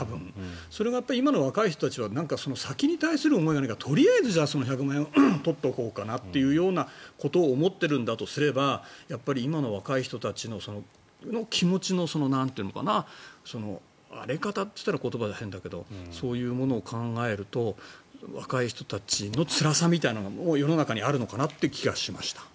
それが今の若い人たちはその先に対する思いがとりあえず１００万円を取っておこうというようなことを思っているんだとすれば今の若い人たちの気持ちの荒れ方と言ったら言葉は変だけどそういうものを考えると若い人たちのつらさみたいなのが世の中にあるのかなという気がしました。